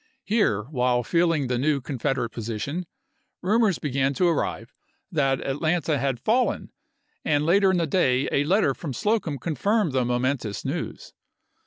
Here, while feeling the new Confederate position, rumors began to arrive that Atlanta had fallen, and later in the day a letter from Slocum confirmed the momentous news.